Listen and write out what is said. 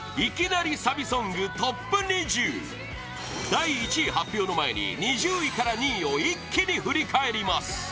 第１位発表の前に２０位から２位を一気に振り返ります！